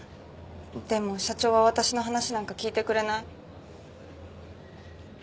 でも社長は私の話なんか聞いてくれない。